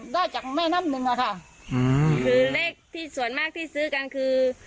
ได้จากแม่น้ำหนึ่งอะค่ะคือเลขที่ส่วนมากที่ซื้อกันคือ